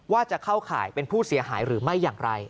ว่าจะเข้าข่ายเป็นผู้เสียหายหรือไม่อย่างไร